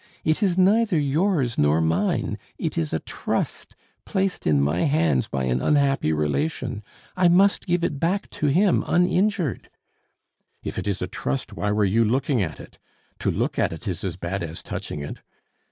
It is neither yours nor mine. It is a trust placed in my hands by an unhappy relation: I must give it back to him uninjured!" "If it is a trust, why were you looking at it? To look at it is as bad as touching it."